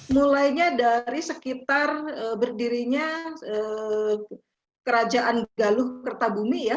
mulainya dari sekitar berdirinya kerajaan galuh kertabumi ya